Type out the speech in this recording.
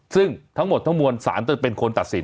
ซึ่งทั้งหมดทั้งมวลศาลจะเป็นคนตัดสิน